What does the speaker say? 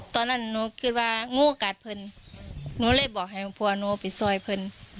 ตอนนั้นนู้นคิดว่างูกัดพรึงหนูเลยบอกเห็นพ่อหนูไปสวยพรึง